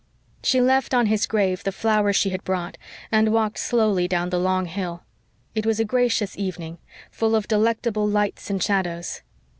She left on his grave the flowers she had brought and walked slowly down the long hill. It was a gracious evening, full of delectable lights and shadows.